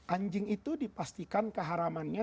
anjing itu dipastikan keharamannya